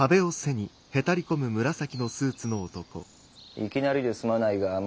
いきなりですまないが六